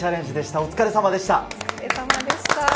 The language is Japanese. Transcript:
お疲れさまでした。